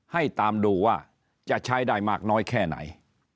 ให้ตามดูว่าจะใช้ได้มากน้อยแค่ไหน